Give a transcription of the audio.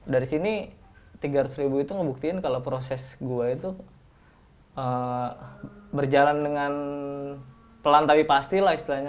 dari sini tiga ratus ribu itu ngebuktiin kalau proses gua itu berjalan dengan pelan tapi pasti lah istilahnya